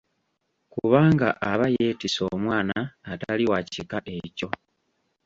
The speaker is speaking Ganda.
Kubanga aba yeetisse omwana atali wa kika ekyo.